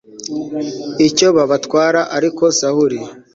icyo babatwara ariko Sawuli